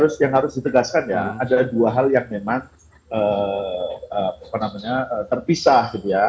ini yang harus ditegaskan ya ada dua hal yang memang terpisah